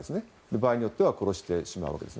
場合によっては殺してしまうわけです。